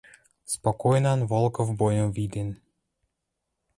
Спокойнан Волков бойым виден.